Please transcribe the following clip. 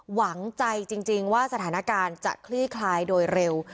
หวังใจจริงว่าสถานการณ์จะคลี่คลายโดยเร็ว